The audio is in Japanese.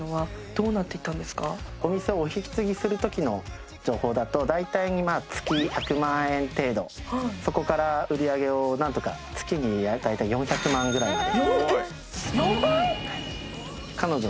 お店をお引き継ぎするときの情報だとだいたい月１００万円程度そこから売り上げを何とか月にだいたい４００万ぐらいまで。